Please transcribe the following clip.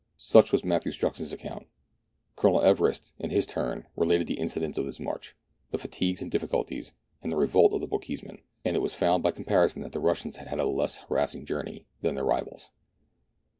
Such was Matthew Strux's account. Colonel Everest, in his turn, related the incidents of his march, the fatigues and difficulties, and the revolt of the Bochjesmen, and it was found by comparison that the Russians had had a less harassing journey than their rivals.